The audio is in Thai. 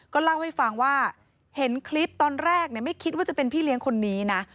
เล่าให้ฟังว่าเห็นคลิปตอนแรกไม่คิดว่าจะเป็นพี่เลี้ยงคนนี้นะ